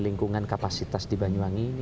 lingkungan kapasitas di banyuwangi